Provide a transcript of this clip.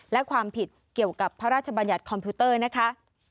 และความผิดเกี่ยวกับพระราชบัญญัติคอมพิวเตอร์นะคะ